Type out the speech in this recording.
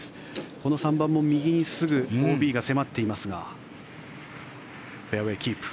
この３番も右にすぐＯＢが迫っていますがフェアウェーキープ。